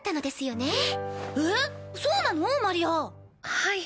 はい。